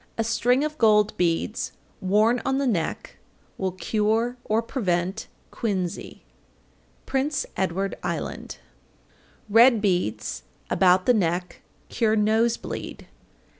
A string of gold beads worn on the neck will cure or prevent quinsy. Prince Edward Island. 801. Red beads about the neck cure nose bleed.